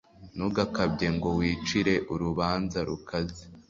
ntugakabye ngo wicire urubanza rukaze